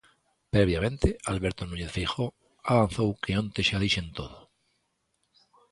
Previamente Alberto Núñez Feijóo avanzou que "onte xa dixen todo".